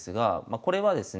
これはですね